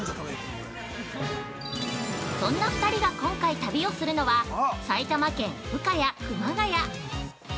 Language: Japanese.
そんな２人が今回、旅をするのは埼玉県深谷・熊谷。